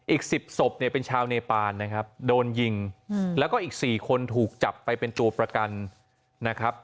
อีก๑๐ศพเนี่ยเป็นชาวเนปานนะครับโดนยิงแล้วก็อีก๔คนถูกจับไปเป็นตัวประกันนะครับ